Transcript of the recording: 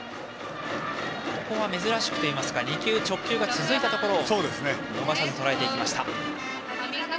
ここは珍しく２球直球が続いたところを逃さずとらえていきました。